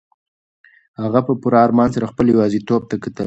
هغه په پوره ارمان سره خپله یوازیتوب ته کتل.